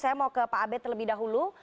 saya mau ke pak abed terlebih dahulu